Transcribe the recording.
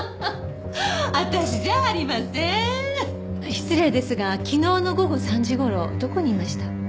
失礼ですが昨日の午後３時頃どこにいました？